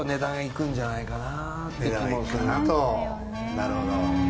なるほど。